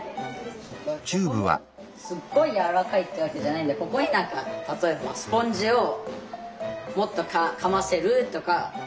ここもすっごいやわらかいってわけじゃないんでここに何か例えばスポンジをもっとかませるとか。